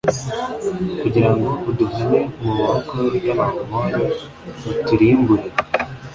kugira ngo uduhane mu maboko y Abamori baturimbure